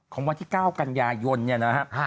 ของวันที่๙กันยายนเนี่ยนะฮะ